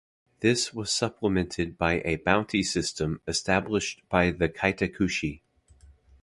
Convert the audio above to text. This was supplemented by a bounty system established by the Kaitakushi.